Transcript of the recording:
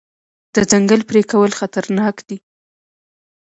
د ځنګل پرې کول خطرناک دي.